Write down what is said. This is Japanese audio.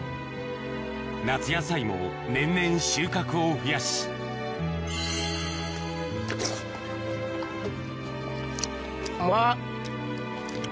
夏野菜も年々収穫を増やし甘っ。